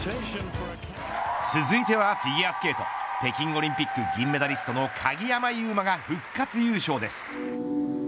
続いてはフィギュアスケート北京オリンピック銀メダリストの鍵山優真が復活優勝です。